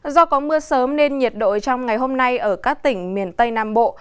do có mưa sớm nên nhiệt độ trong ngày hôm nay ở các tỉnh miền tây nam bộ